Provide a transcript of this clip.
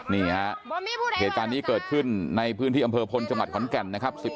นี่ฮะเหตุการณ์นี้เกิดขึ้นในพื้นที่อำเภอพลจังหวัดขอนแก่นนะครับ